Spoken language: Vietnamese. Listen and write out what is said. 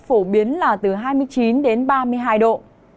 phổ biến là từ hai mươi chín đến ba mươi hai độ